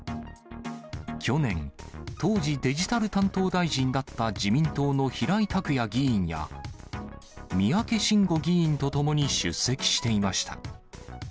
去年、当時デジタル担当大臣だった自民党の平井卓也議員や、三宅伸吾議員と共に出席していました。